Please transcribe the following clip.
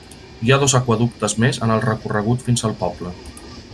Hi ha dos aqüeductes més en el recorregut fins al poble.